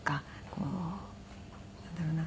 こうなんだろうな。